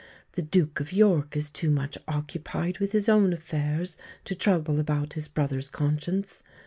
The Duke of York is too much occupied with his own affairs to trouble about his brother's conscience.